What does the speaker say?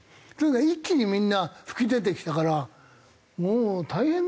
一気にみんな噴き出てきたからもう大変だね。